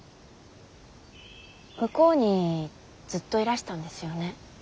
向こうにずっといらしたんですよね。